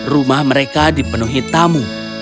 rumah mereka dipenuhi tamu